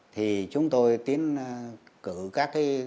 thì chúng tôi tiến cử các cái